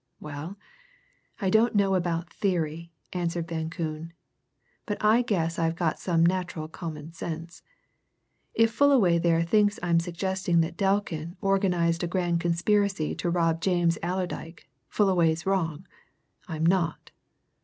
"Well, I don't know about theory," answered Van Koon, "but I guess I've got some natural common sense. If Fullaway there thinks I'm suggesting that Delkin organized a grand conspiracy to rob James Allerdyke, Fullaway's wrong I'm not.